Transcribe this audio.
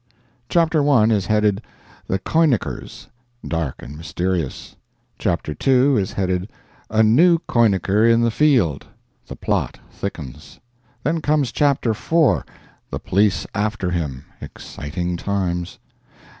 Chapter I. is headed "The Koinickers"—dark and mysterious. Chapter II. is headed "A New Koinicker in the Field!"—the plot thickens. Then comes Chapter IV.—"The Police after him!"—exciting times.